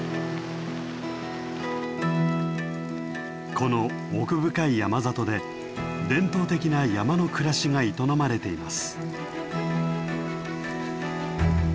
この奥深い山里で伝統的な山の暮らしが営まれています。